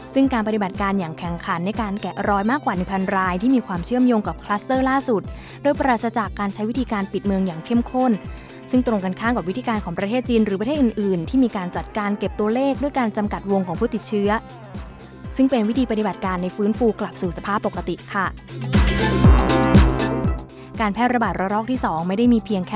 ซึ่งการปฏิบัติการอย่างแข็งขันในการแกะรอยมากกว่าในพันรายที่มีความเชื่อมโยงกับคลัสเตอร์ล่าสุดโดยประราศจากการใช้วิธีการปิดเมืองอย่างเข้มข้นซึ่งตรงกันข้างกับวิธีการของประเทศจีนหรือประเทศอื่นที่มีการจัดการเก็บตัวเลขด้วยการจำกัดวงของผู้ติดเชื้อซึ่งเป็นวิ